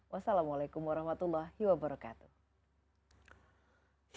wassalamualaikum warahmatullah wabarakatuh